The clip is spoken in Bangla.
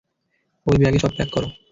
ঐ ব্যাগে সব প্যাক করো।